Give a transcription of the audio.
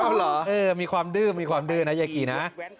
เอาเหรอมีความดื้อมีความดื้อนะยายกีนะ